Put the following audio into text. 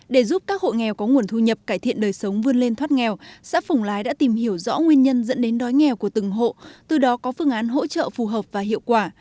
để giúp các hộ nghèo có nguồn thu nhập cải thiện đời sống vươn lên thoát nghèo xã phổng lái đã tìm hiểu rõ nguyên nhân dẫn đến đói nghèo của từng hộ từ đó có phương án hỗ trợ phù hợp và hiệu quả